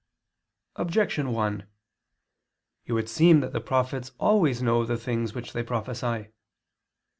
Objection 1: It would seem that the prophets always know the things which they prophesy.